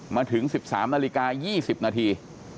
มาถึงสิบสามนาฬิกายี่สิบนาที